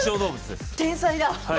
天才だ。